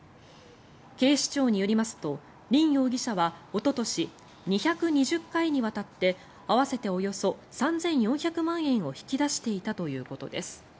警視庁によりますとリン容疑者はおととし２２０回にわたって合わせておよそ３４００万円を引き出していたということです。